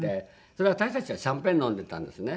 それで私たちがシャンパン飲んでたんですね。